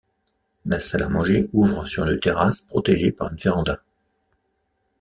La salle à manger ouvre sur une terrasse protégée par une véranda.